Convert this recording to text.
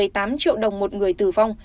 một mươi tám triệu đồng một người tử vong